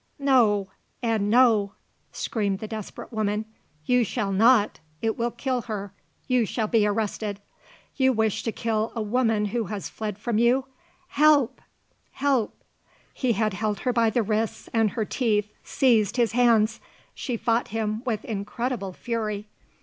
no! and no!" screamed the desperate woman. "You shall not! It will kill her! You shall be arrested! You wish to kill a woman who has fled from you! Help! Help!" He had her by the wrists and her teeth seized his hands. She fought him with incredible fury.